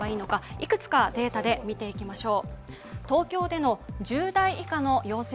いくつかデータで見ていきましょう。